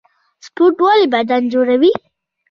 سپورټ ولې بدن جوړوي؟